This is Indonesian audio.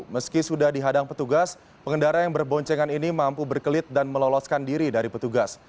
meski sudah dihadang petugas pengendara yang berboncengan ini mampu berkelit dan meloloskan diri dari petugas